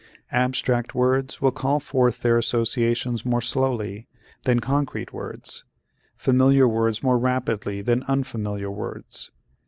Abstract words will call forth their associations more slowly than concrete words, familiar words more rapidly than unfamiliar words.